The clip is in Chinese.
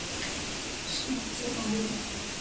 圣基兰。